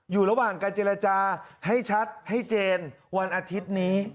อยู่ระหว่างการเจรจาให้ชัดให้เจนวันอาทิตย์นี้